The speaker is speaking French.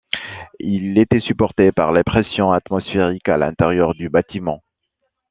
Il était supporté par la pression atmosphérique à l'intérieur du bâtiment.